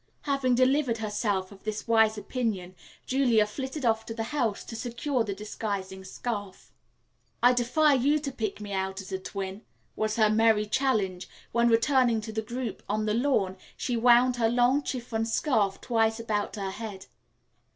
Having delivered herself of this wise opinion, Julia flitted off to the house to secure the disguising scarf. "I defy you to pick me out as a twin," was her merry challenge, when returning to the group on the lawn she wound her long chiffon scarf twice about her head.